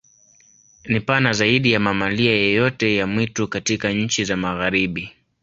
Ni pana zaidi ya mamalia yoyote ya mwitu katika nchi za Magharibi.